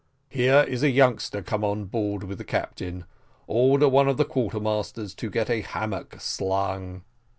"There is a youngster come on board with the captain. Order one of the quartermasters to get a hammock slung."